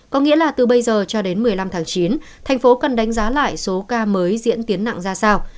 có nghĩa là từ bây giờ cho đến một mươi năm tháng chín thành phố cần đánh giá lại số ca mới diễn tiến nặng ra sao